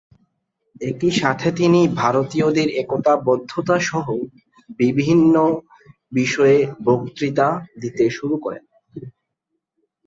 একই সাথে তিনি ভারতীয়দের একতাবদ্ধতা-সহ বিভিন্ন বিষয়ে বক্তৃতা দিতে শুরু করেন।